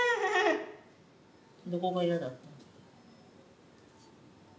どこが嫌だったの？